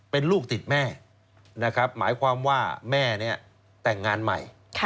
เป็นลูกติดแม่หมายความว่าแม่นี้แต่งงานใหม่